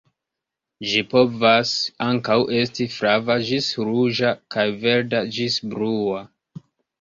Ĝi povas ankaŭ esti flava ĝis ruĝa kaj verda ĝis blua.